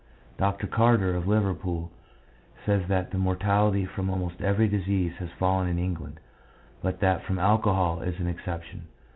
Dr. Carter, of Liverpool, says that the mortality from almost every disease has fallen in England, but that from alcohol is an exception.